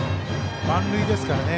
満塁ですからね。